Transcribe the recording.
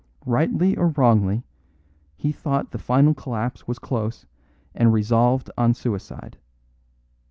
Rightly or wrongly, he thought the final collapse was close, and resolved on suicide.